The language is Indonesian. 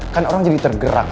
kan orang jadi tergerak